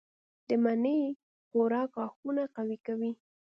د مڼې خوراک غاښونه قوي کوي.